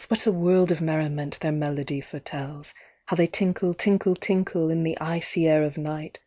What a world of merriment their melody foretells! How they tinkle, tinkle, tinkle, In the icy air of night!